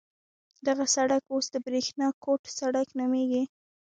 دغه سړک اوس د برېښنا کوټ سړک نومېږي.